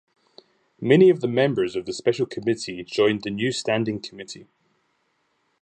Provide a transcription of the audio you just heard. Many of the members of the special committee joined the new standing committee.